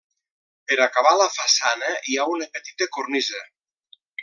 Per acabar la façana hi ha una petita cornisa.